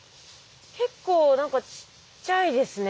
結構何かちっちゃいですね。